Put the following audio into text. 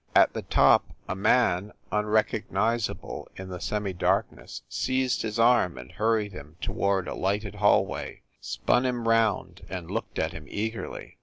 At the top a man, unrecognizable in the semi darkness, seized his arm and hurried him toward a lighted hallway, spun him round and looked at him eagerly.